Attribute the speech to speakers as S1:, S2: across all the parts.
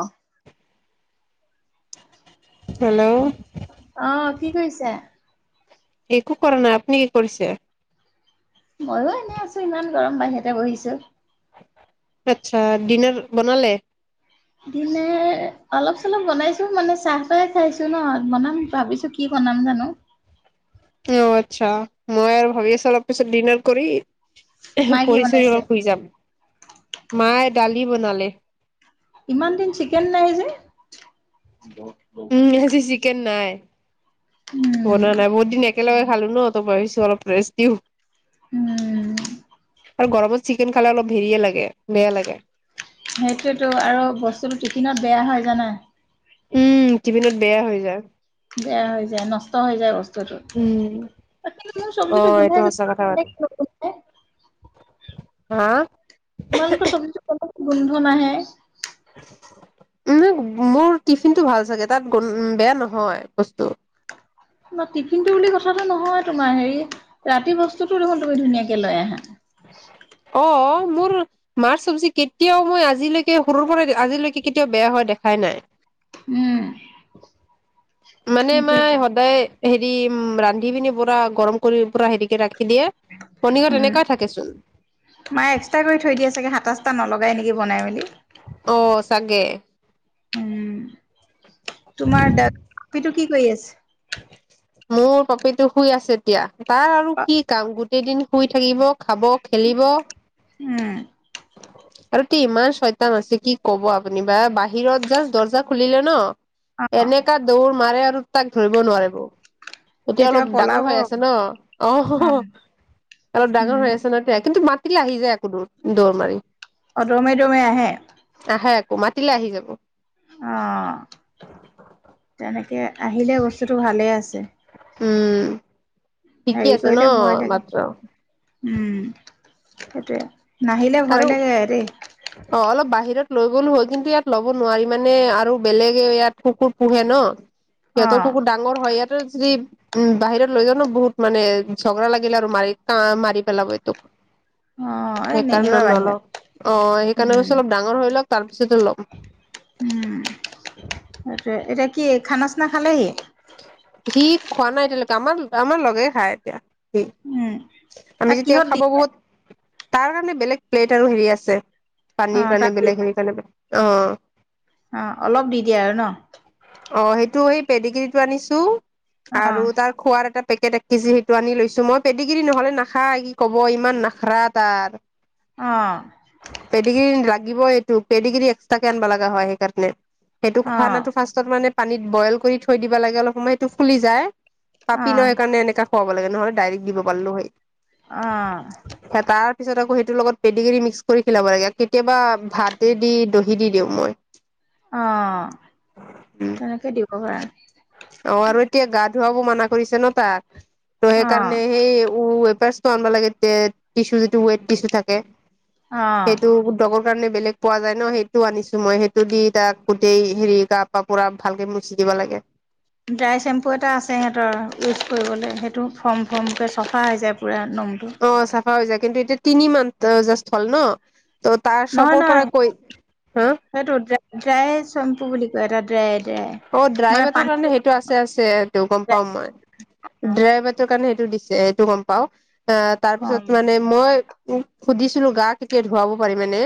S1: অঁহ।
S2: হেল্ল।
S1: অ' কি কৰিছে?
S2: একো কৰা নাই, আপুনি কি কৰিছে?
S1: ময়ো এনেই আছো ইমান গৰম বাহিৰতে বহিছো।
S2: আচ্ছা ডিনাৰ বনালে?
S1: দিনাৰ অলপ চলপ বনাইছো, মানে চাহ তাহে খাইছো ন বনাম ভাবিছো কি বনাম জানো।
S2: অ আচ্ছা, মই আৰু ভাবি আছো অলপ পিছত ডিনাৰ কৰি
S1: মায়ে কি বনাইছে?
S2: পৰিচয় শুই যাম। মায়ে দালি বনালে।
S1: ইমান দিন চিকেন নাই যে?
S2: উম আজি চিকেন নাই।
S1: উম
S2: বনা নাই বহুত দিন এক একেলগে খালো ন ত ভাবিছো অলপ ৰেষ্ট দিওঁ।
S1: উম।
S2: আৰু গৰমত চিকেন খালে অলপ হেৰিয়ে লাগে বেয়া লাগে।
S1: সেইটোয়েতো আৰু বস্তুটো টিফিনত বেয়া হয় জাই নাই?
S2: উম, টিফিনত বেয়া হৈ যায়।
S1: বেয়া হৈ যায় নষ্ট হৈ যায় বস্তুটো
S2: উম
S1: [unintelligible]
S2: অ
S1: চব্জিটো
S2: এইটো
S1: গুন্ধাই
S2: সঁচা কথা
S1: [unintelligible]
S2: হা?
S1: তোমালোকৰ [unintelligible] গোন্ধ নাহে।
S2: উঁহু, মোৰ টিফিনটো ভাল চাগে তাত গোন বেয়া নহয় বস্তু।
S1: ন' টিফিনটো বুলি কথাটো নহয় তোমাৰ হেৰি ৰাতি বস্তুতো দেখোন কৈ ধুনীয়াকে লৈ আহা।
S2: অ'। মোৰ, মাৰ চবজি কেতিয়াও মই আজিলৈকে সৰুৰ পৰা আজিলৈকে কেতিয়াও বেয়া হোৱা দেখাই নাই।
S1: উম
S2: মানে মাই
S1: সেইটোয়েতো
S2: সদায় হেৰি, উম, ৰান্ধিপিনি পুৰা গৰম কৰি পুৰা হেৰিকে ৰাখি দিয়ে। পনীৰত
S1: উম,
S2: এনেকুৱাই থাকেচোন
S1: মাই এক্সট্ৰা কৰি থৈ দিয়ে চাগে সাতা-চাটা নলগাই নেকি বনাই মেলি।
S2: অ', চাগে।
S1: উম তোমাৰ দ পিটো কি? কৰি আছে?
S2: মোৰ পাপিটো শুই আছে এতিয়া। তাৰ আৰু কি কাম গোট কেইদিন শুই থাকিব। খাব, খেলিব।
S1: উম।
S2: আৰু তি ইমান চয়তান আছে কি কব আপুনি বা বাহিৰত জাষ্ট দৰ্জা খুলিলে ন।
S1: অ
S2: এনেকা দৌৰ মাৰে আৰু তাক ধৰিব নোৱাৰিব। এতিয়া
S1: কেতিয়াবা
S2: অলপ ডাঙৰ
S1: পলাব
S2: হৈ
S1: অ
S2: আছে ন, অ', অলপ ডাঙৰ
S1: উম
S2: হৈ আছে ন, এতিয়া কিন্তু মাত তিলে আহি যায় আকৌ দৌৰ। দৌৰ মাৰি।
S1: অ', দৌৰি মাৰি, দৌৰ মাৰি আহে?
S2: অ মাতিলে আহি যাব।
S1: অ', তেনেকে আহিলে বস্তুটো ভালে আছে।
S2: উম,, শিকি
S1: হেৰি
S2: আছে
S1: কৰিলে ভয়
S2: ন'
S1: লাগে
S2: মাত্ৰ।
S1: উম সেইটোৱে। নাহিলে
S2: আৰু
S1: ভয় লাগে দেই।
S2: অ অলপ বাহিৰত লৈ গ'লো হয়, কিন্তু ইয়াত ল'ব নোৱাৰি মানে আৰু বেলেগে ইয়াত কুকুৰ পোহে ন?
S1: অ
S2: সিহঁতৰ কুকুৰ ডাঙৰ হয় ইয়াত যদি বাহিৰত লৈ যাও ন, বহুত মানে ঝগৰা লাগিলে আৰু মাৰি কা মাৰি পেলাব এইটোক।
S1: হয়নে?
S2: অ সেইকাৰণে ন ন সেইকাৰণে অলপছ ডাঙৰ, ল তাৰিপিছতে লম,
S1: উম সেইটোয়ে এতিয়া কি খানা চানা খালেহি।
S2: সি খোৱা নাই এতিয়ালৈকে আমাৰ আমাৰ লগে খায় এতিয়া
S1: উম
S2: সি আমি
S1: তাক
S2: যেতিয়া
S1: কিহত দি
S2: খাব
S1: দিয়ে
S2: বহুত তাৰ কাৰণে বেলেগ, প্লেট আৰু হেৰি আছে।
S1: অ
S2: পানী কাৰনে
S1: তাক দি
S2: বেলেগ হেই কাৰনে বেলেগ অ'
S1: অ অলপ দি দিয়া আৰু ন
S2: অ সেইটো সেই পেডগিৰিতটো আনিছো।
S1: অ
S2: আৰু তাৰ খোৱাৰ এটা পেকেট এক কেজি সেইটো আনি লৈছো মই পেটিক নহ'লে নাখা কি কব ইমান নাখাৰা তাৰ
S1: অ
S2: পেটিকি ল লাগিব এইটো পেডিগ্ৰী এক্সট্ৰাক কে আনব লগা হয় সেইকাৰণে সেইটো
S1: অ
S2: খোৱা নাটো ফাৰ্ষ মানে পানীত বইল কৰি থৈ দিবা লাগে অলপ সময় এইটো ফুলি যায়।
S1: অ
S2: পাপি নয়েইকাৰণে এনেকা খুৱাব লাগে নহয়। ডাইৰেক্ট দিব পাৰিলো হয়েই
S1: অ
S2: ত তাৰ পিছত আকৌ সেইটোৰ লগত পেড কৰি মিক্স কৰি খেলাব লাগে কেতিয়াবা ভাতে দি দহি দি দিওঁ মই,
S1: অ' তেনেকে দিব দিবপাৰা
S2: অ আৰু এতিয়া গা ধোৱা মানা কৰিছে ন তাক, ত
S1: অ
S2: সেইকাৰণে সেই আন লাগে টচু যিটো ৱেট টছু থাকে,
S1: অ
S2: সেইটো ডৰ কাৰণে বেলেগ পোৱা যায় ন সেইটো আনিছো মই সেইটো দি তাক গোটেই হেৰি কাপ পোৰা ভালকে মচি দিব লাগে।
S1: ড্ৰাই চেম্পু এটা আছে সিহঁতৰ ইউজ পোৱা হৈ যায় পুৰাণ
S2: অ চাফা হৈ যায় কিন্তু এতিয়া, তিনি মমান জ্ত হ'ল ন ত তাৰ
S1: নহয়
S2: চপৰ
S1: নহয়
S2: পৰা কৈ হা
S1: সেইটো ড্ৰাই ড্ৰাই চেম্পু বুলি কয় এটা ড্ৰাই ড্ৰাই
S2: অ ড্ৰাই
S1: মানে
S2: বাটৰ
S1: পানীটো
S2: কাৰণে সেইটো আছে আছেটো গম পাাম মই ড্ৰাই বাটৰ কাৰণে সেইটো দিছো এইটো গম পাও। অ, তাৰপিছত
S1: ফৰ্ম
S2: মানে মই উম, সুধিছিলো গা কেতিয়া ধুৱাব পাৰিবানে?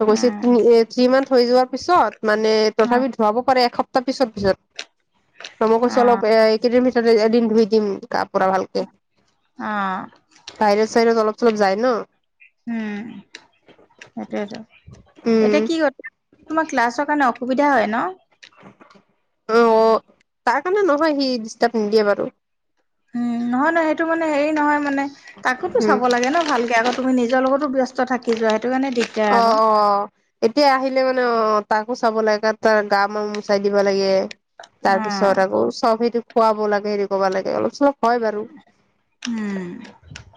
S2: অ, কৈছে তিনি এ থ্ৰী মান্থ। হৈ যোৱাৰ পিছত। মানে
S1: অ
S2: তথাপি ধুৱাব পাৰে এস তাৰ পিছত-পিছত। তম কৈছো
S1: অ
S2: অলপ এ এই কেইদিন এদিন ধুই দিম গা পোৰা ভালকে।
S1: অ
S2: ভাইৰাছ চাইৰাছ অলপ চলপ যায় ন।
S1: উম, সেইটোয়েতো
S2: উম
S1: এতিয়া কি ক তোমাৰ ক্লাছৰ কাৰণে। সুবিধা হয় ন।
S2: অ, তাৰ কাৰণে নহয় সি ডিষ্টাৰ্ব নিদিয়ে বাৰু।
S1: উম, নহয়-নহয় সেইটো মানে হেৰি নহয় মানে। তাকোতো
S2: উম
S1: চাব লাগে ন ভালকে আগত। তুমি নিজৰ লগতো ব্যচ
S2: অ, অ, এতিয়া আহিলে মান ন তাকো চাব লাগে তাৰ গা মান মোচাই দিব লাগে। তাৰ
S1: অ',
S2: পিছত আকৌ চব সেইটো খোৱাব লাগে হেৰি কৰিবা লাগে অলপ চলপ হয় বাৰু
S1: উম,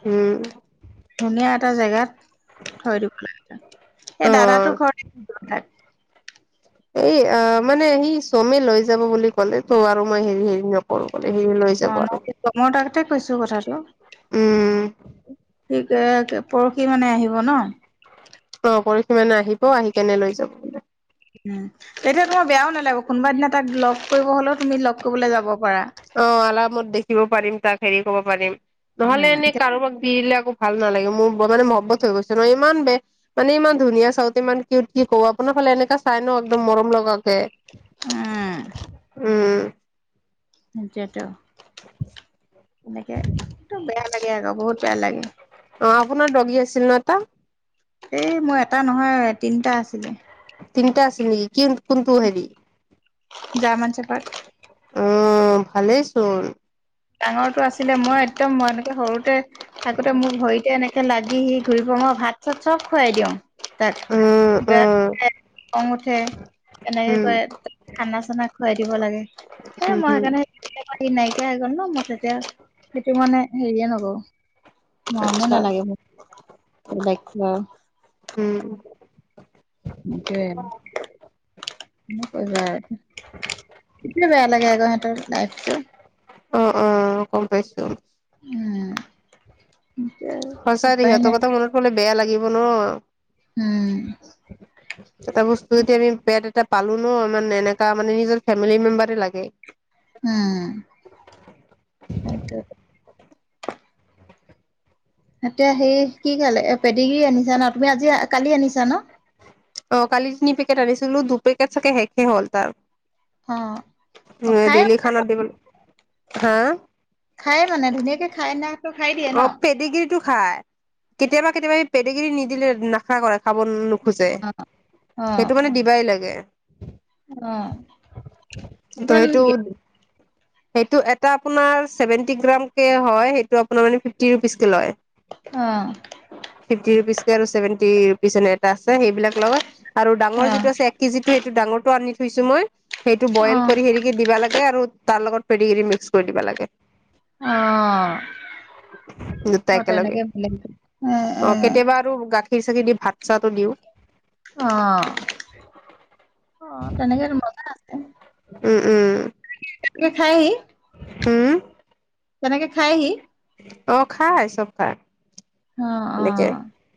S2: উম।
S1: ধুনীয়া এটা জেগাত থৈ দিব লাগে তাত। সে দাদাটো
S2: অ
S1: ঘৰতে ঠাই
S2: এই অ মানে সি চমে লৈ যাব বুলি ক'লে তো আৰু মই হেৰি হেৰি নকৰো। ক'লে সি লৈ
S1: অ
S2: যাব আৰু
S1: নহ মই তাকতে কৈছো কথাটো,
S2: উম
S1: ঠিকে আছে, পৰহি মানে আহিব ন।
S2: অ পৰশি মানে আহিব আহি কেনে লৈ যাব বোলে।
S1: উম তেতিয়া তোমাৰ বেয়াও নালাগিব কোনোবা দিনা তাক লগ কৰিব হ'লেও তুমি লগ কৰিবলৈ যাব পাৰা।
S2: অ আলামত দেখিব পাৰিম তাক। হেৰি কব পাৰিম। নহলে
S1: উম,
S2: এনেই কাৰোবাক দিলাক মোৰ ভাল নালাগে মোৰ মানে মহহ্বত হৈ গৈছে ন ইমান বেয়া মানে ইমান ধুনীয়া চাওতে ইমান কিউট কি কব আপোনাৰ ফালে এনেকা চাই ন একদম মৰম লগাকে।
S1: উম।
S2: উম
S1: সেইটোৱেতো, তেনেকে বেয়া লাগে আকৌ, বহুত বেয়া লাগে।
S2: অ, আপোনাৰ দগী আছিল ন' এটা?
S1: এ মই এটা নহয় তিনিটা আছিলে।
S2: তিনিটা আছিল নেকি কিন কোনটো হেৰি?
S1: জাৰ্মান শ্বেফাৰ্ড
S2: অ, ভালেই চোন।
S1: ডাঙৰটো আছিলে মই একদম মৰা নাই। এ সৰুতে থাকোতে মোক ভৰিতে এনেকে লাগি আহি ঘূৰিব মই ভাত [unintelligible] খুৱাই দিওঁ। তাত
S2: উম উম
S1: বেয়াকে খং উঠে এনেকে
S2: উম
S1: কৈয়ে খানা চানা খুৱাই দিব লাগে। এ
S2: উম
S1: মই
S2: হম
S1: সেইকাৰণে [unintelligible] নাইকিয়া [unintelligible] তেতিয়া সেইটো মানে হেৰিয়ে নকওঁ মৰমো
S2: আচ্ছা
S1: নালাগে মোক লাইক [inaudible]
S2: উম
S1: মোক কৈ যায় সিটোৱে বেয়া লাগে [inaudible] [inaudible] লাইফটো
S2: অ অ গম পাইছো
S1: উম এতিয়া
S2: সঁচাই দে
S1: উপায়
S2: সিহতৰ
S1: নাই
S2: কথা মনত পৰলে বেয়া লাগিব ন
S1: উম
S2: এটা বস্তু যেতিয়া আমি পেট এটা পালো ন ইমান এনেকা মানে নিজৰ ফেমিলি মেম্বাৰ লাগে
S1: উম সেইটোৱে এতিয়া সেই কি খালে পেদিগীৰি আনিছা ন তুমি আজি কালি আনিছা ন
S2: অ কালি তিনি পেকেট আনিছিলো দু পেকেট চাগে শেষে হ'ল তাৰ
S1: অ অ খায়
S2: ডেইলি খানাত
S1: মানে
S2: দিবলৈ হা
S1: [inaudible] খায় মানে ধুনীয়াকে খাই না টো খাই দিয়ে ন
S2: খায় কেতিয়াবা কেতিয়াবা পেটেগিৰি নিদিলে নাখা কৰা খাব নোখোজে
S1: অ অ
S2: সেইটো মানে দিবাই লাগে
S1: অ
S2: ত
S1: কিমান
S2: সেইটো সেইটো এটা আপোনাৰ সেৱেন্তি গ্ৰাম কে হয় সেইটো আপোনাৰ মানে ফিফটি ৰূপিছ কে লয়
S1: অ
S2: ফিফটি ৰুপিছকে আৰু ছেভেণ্টি পিছেনেত আছে সেইবিলাক লগত আৰু ডাঙৰ
S1: অ
S2: যিটো আছে এক কেজিটো সেইটো ডাঙৰটো আনি। থুইছো মই। সেইটো
S1: অ
S2: বইল কৰি হেৰিক দিবা লাগে আৰু। তাৰ লগত পেৰি গিৰি মিক্স কৰি দিবা লাগে।
S1: অহ
S2: দুটা
S1: 'মই
S2: একেলগে
S1: তেনেকেই উম -
S2: অ
S1: উম।
S2: কেতিয়াবা আৰু গাখীৰ চাকি দি ভাত চাটো দিও।
S1: অহ - অহ তেনেকে মজা আছে। উম।
S2: উম- উম।
S1: খাই
S2: হম।
S1: তেনেকে খায়হি।
S2: অহ ', খায় চব খায়।
S1: অ অ
S2: সেনেকে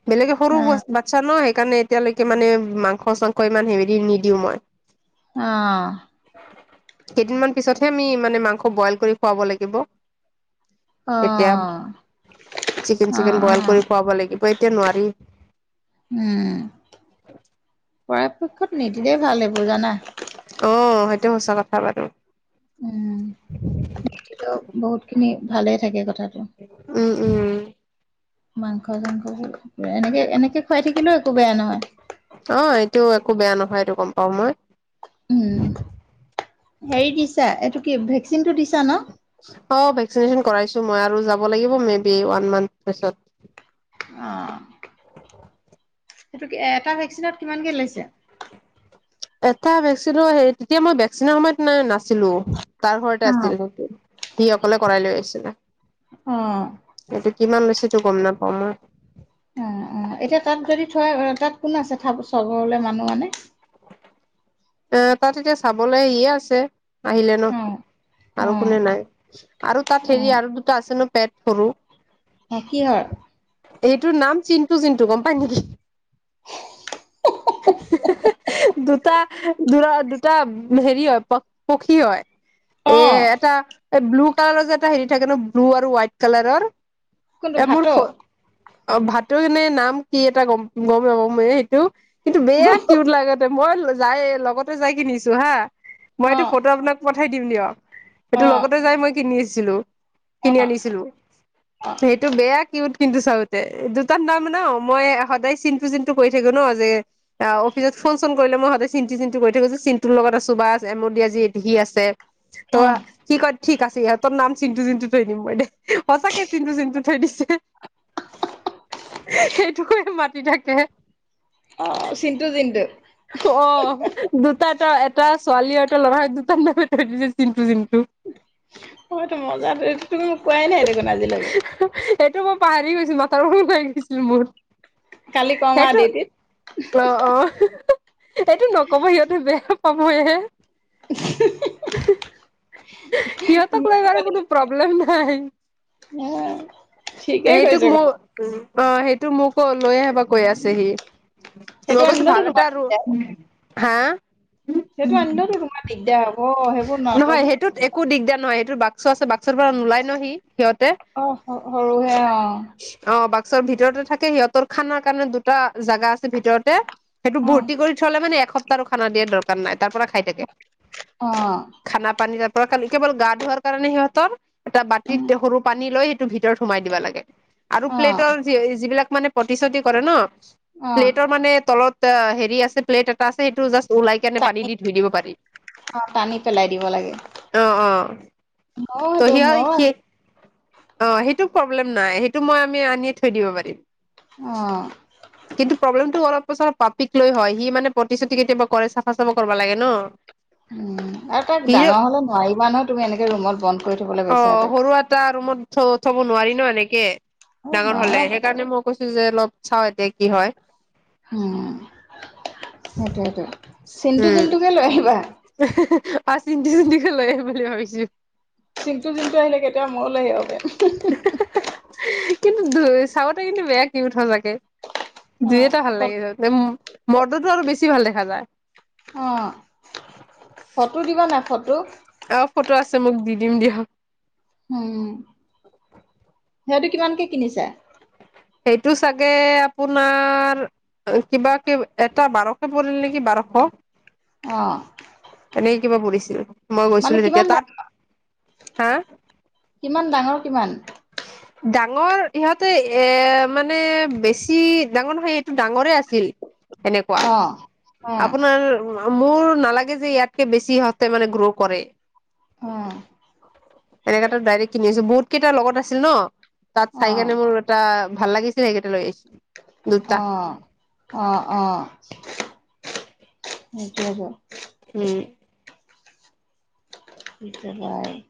S2: বেলেগে সৰু
S1: অ
S2: বাচ্ছা নয়। কাৰণে এতিয়ালৈকে মানে মাংস চাংস ইমান হেৰি দি নিদিও মই।
S1: অহ ',
S2: কেইদিনমান পিছতহে আমি মানে মাংস বইল কৰি খুৱাব লাগিব।
S1: অ অ
S2: তেতিয়া চিকেন -
S1: অ
S2: চিকেন বইল কৰি খুৱাব লাগিব এতিয়া নোৱাৰি।
S1: উম পৰাপক্ষত নিদিলেই ভাল হেইবোৰ জানা।
S2: অহ ' সেইটো সচা কথা বাৰু। উম।
S1: নিদিলেও বহুত খিনি ভালে থাকে কথাত।
S2: উম - উম।
S1: মাংস চাংসোৰ এনেকে এনেকে খুৱাই থাকিলেও একো বেয়া নহয়।
S2: অহ ' এইটো একো বেয়া নহয় এইটো গম পাও মই।
S1: উম, হেৰি দিছা এইটো। কি ভেকচিনটো দিছা ন।
S2: অহ ' ভেকিচিনেচন কৰাইছো মই আৰু যাব লাগিব মে বি ৱান মান্থ পিছত।
S1: অহ ', সেইটো এটা ভেকচিনত কিমানকে লৈছে।
S2: এটা ভেকচিন হে তেতিয়া মই ভেকচিনৰ সময়ত ন নাছিলো। তাৰ ঘৰতে
S1: অ
S2: আছিল সিঅকলে কৰাই লৈ আহিছিল। না [unintelligible]
S1: অহ ',
S2: কিমান লৈছে তো গম নাপাও মই।
S1: অহ - অহ এতিয়া তাত যদি থ তাত কোন আছে থ চগৰলে মানুহ আনে।
S2: এ তাত এতিয়া চাবলৈ ইয়ে আছে। আহিলে ন,
S1: অ অ
S2: আৰু কোনে নাই আৰু তাত হেৰি আৰু দুটা আছে ন? পেট সৰু,
S1: অ কিহৰ
S2: এইটোৰ নাম চিন জিণ্টু, গম পাই নেকি? দুটা, দুৰা, দুটা হেৰি হয়, পক্ষী হয়। এ
S1: অ
S2: এটা এই ব্লু কালাৰৰ যে এটা হেৰি থাকে ন, ব্লু আৰু হোৱাইট কালাৰৰ
S1: কোনটো
S2: এ
S1: ভাত
S2: মোৰ ফ, অ', ভাটৌ অনিৰ নাম কি এটা গম-গমে-ওমে এইটো। এইটো বেয়া কিউট লাগাতে, মই লৈ যায়, লগতে যাই কিনিছো হা। মই এইটো
S1: অ
S2: ফটো আপোনাক প ঠাই দিম দিয়ক। সেইটো
S1: অ',
S2: লগতে যাই মই কিনিছ ছিলো। কিনি
S1: অ',
S2: আনিছিলো, সেইটো বেয়া কিউট কিন্তু চাওঁতে, দুটা নাম মানে অময়ে, সদায় চিন্টু চিন্টু কই থাকো ন, যে এ অফিচত ফোন-চোন কৰিলে মই সদায় চিন্টু চিন্টু কৰি থাকো, যে চিন্টুৰ লগত আছো বাছ এম দি এতে সি আছে। ত
S1: অ',
S2: সি ক'ত ঠিক আছে, ইহঁতৰ নাম চিন্টু, জিন্টু থৈ দিম মই দেহ, সঁচাকে চিন্টু, জিন্টু থৈ দিছে, সেইটোকে মাতি থাকে।
S1: অ', চিণ্টু, জিণ্টু।
S2: অ', দুটা তা, এটা ছোৱালী আৰু এটা ল'ৰা হয়, দুটাৰ নামে থৈ দিছে চিন্টু, জিন্টু।
S1: বহুত মজা থৈ, তুমি মোক কোৱাই নাই দেখোন আজিলৈকে।
S2: ত' মই পাহাৰি গৈছো, মাথাৰ প ওলাই গৈছিল মোৰ।
S1: কালি কম আৰু
S2: সেইটো,
S1: ডিউটিত
S2: অ', অ'। এইটো নকব সিহঁতে বেয়া সময়েহে। সিহঁতক লৈ বাৰু কোনো প্ৰ'ব্লেম নাই,
S1: অ' ঠিকেই
S2: এইটোক
S1: কৈছে
S2: মোৰ
S1: কথা।
S2: অ', সেইটো মোকো লৈ আহবা কৈ আছে সি।
S1: সেইটো
S2: মই কৈছোঁ
S1: আনিলেতো
S2: ভাল
S1: তোমাৰ
S2: এটা ৰু
S1: দিগদাৰ
S2: হা?
S1: সেইটো আনিলেওতো তোমাৰ দিগদাৰ হ'ব, সেইবোৰ নলবি।
S2: চ আছে, বাক্সাৰ পৰা নোলাই ন সি সিহঁতে,
S1: অ', সৰুহে অ',
S2: অ', বাক ত ভিতৰতে থাকে সিহঁতৰ খানাৰ কাৰণে দুটা জাগা আছে ভিতৰতে সেইটো
S1: অ',
S2: বহুত কৰি থ'লে মানে এসপ্তাহো খানা দিয়াৰ দৰকাৰ নাই তাৰ খাই থাকে
S1: অ',
S2: খানা পানী ত কেৱল গা ধোৱাৰ কাৰণে সিহঁতৰ এটা
S1: উম,
S2: বাতিত সৰু পানী লৈ টো ভিতৰত সোমাই দিব লাগে। আৰু
S1: অ',
S2: প্লেটৰ য যিবিলাক মানে প্ৰতিশ্ৰুতি কৰে ন
S1: অ',
S2: প্লেটৰ মানে তলত ত আছে প্লেট এটা আছে সেইটো ওলাই কেনে পানী
S1: টানি
S2: দি ধুই দিব পাৰি
S1: অ', টানি পেলাই দিব লাগে
S2: অ অ
S1: ময়ো
S2: ত
S1: সেইটো
S2: সেই
S1: ময়ো আছো
S2: স অ সেইটো প্ৰব্লেম নাই সেইটো মই আমি আনিয় থৈ দিব পাৰিম।
S1: অ',
S2: কিন্তু প্ৰব্লেমটো অলপ উছৰ পাপীক লৈ হয় সি মানে প্ৰতিশ্ৰুতি কেতিয়াবা কৰে চাফা চাফা কৰিব লাগে ন
S1: উম আৰু তাক
S2: সি
S1: ডাঙৰ হলে নোৱাৰিবা নহয় তুমি এনেকে ৰুমত বন্ধ কৰি থবলৈ
S2: অ
S1: বেচেৰাটোক
S2: সৰু এটা ৰুমত থ থব নোৱাৰি ন এনেকে
S1: অ
S2: ডাঙৰ
S1: নোৱাৰা
S2: হলে সেইকাৰণে মোক কৈছো যে অলপ চাও এতিয়া কি হয়।
S1: উম সেইটো সেইটোয় চিটু চিটুকে লৈ আহিবা।
S2: আ চিন্ধি চিন্ধি কে লৈ আহম বুলি ভাবিছো।
S1: চিন্তটো, জিন্তু আহিলে কেতিয়া মইও লৈ আহোঁ গে [unintelligible]
S2: কিন্তু চাওঁতে কিন্তু বেয়া কিউৎ সঁচাকে।
S1: অ
S2: দুই এটা ভাল লাগিছে
S1: ফট
S2: মদতটো আৰু বেছি ভাল দেখা যায়।
S1: অ ৰূক?
S2: অ ফটো আছে মোক দি দিম দিয়।
S1: হম। সিহঁতটো কিমানকে কিনিছে?
S2: সেইটো চাগে আপোনাৰ কিবা কিব এটা বাৰশ পৰিল নেকি বাৰশ!
S1: অ।
S2: কিবা পৰিছিল। মই
S1: মানে
S2: গৈছিলো তেতিয়া
S1: কিমান ডাঙৰ
S2: তাত হা!
S1: কিমান ডাঙৰ কিমান?
S2: ডাঙৰ সিহঁতে এ মানে বেছি ডাঙৰ নহয় এইটো ডাঙৰে আছিল। সেনেকুৱা
S1: অ অ
S2: আপোনাৰ মোৰ নালাগে যে ইয়াতকে বেছি সহঁতে মানে গ্ৰ' কৰে।
S1: অ
S2: এনেকেতো ডাইৰেক্ট কিনিছো বহুত কেইটাৰ লগত আছিল ন! তাত
S1: অ
S2: চাইকেনে মোৰ এটা ভাল লাগিছিল সেইকেইটা লৈ আহিছোঁ।
S1: অহ, অহ অহ। সেইটোৱেটো।
S2: উম।
S1: [unintelligible]